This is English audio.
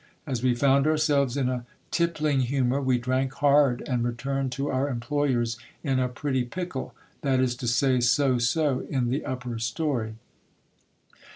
As we found ourselves in a tippling hu mour, we drank hard, and returned to our employers in a pretty pickle, that is to say, so so in the upper story.